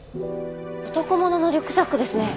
男物のリュックサックですね。